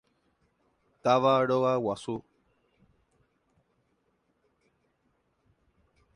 Táva rogaguasu.